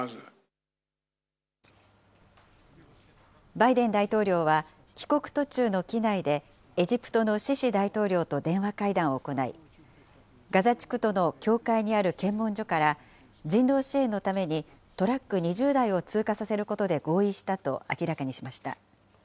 バイデン大統領は帰国途中の機内で、エジプトのシシ大統領と電話会談を行い、ガザ地区との境界にある検問所から、人道支援のためにトラック２０台を通過させることで合意したと明らかにしました。